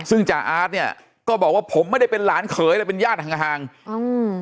ซึ่งจ่าอาร์ตเนี้ยก็บอกว่าผมไม่ได้เป็นหลานเขยเลยเป็นญาติห่างห่างอืม